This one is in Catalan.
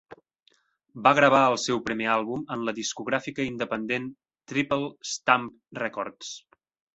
Va gravar el seu primer àlbum en la discogràfica independent Triple Stamp Records.